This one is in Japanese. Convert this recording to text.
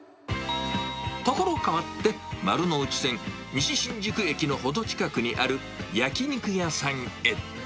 所かわって、丸ノ内線西新宿駅の程近くにある焼き肉屋さんへ。